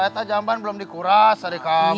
kereta jamban belum dikuras dari kamu